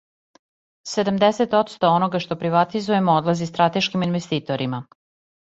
Седамдесет одсто онога што приватизујемо одлази стратешким инвеститорима.